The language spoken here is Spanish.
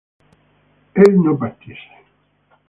él no partiese